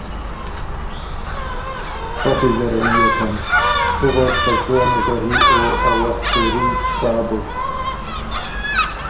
سپخی زر هېںئکم۔ تُو غؤس ترتو ا نوکري او ا وخت تېري څا بُک۔